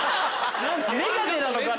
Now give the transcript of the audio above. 眼鏡なのかな？